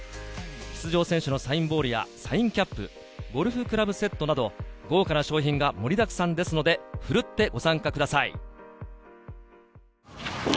出場選手のサインボールやサインキャップ、ゴルフクラブセットなど、豪華な賞品が盛りだくさんですので、ふるってご参加ください。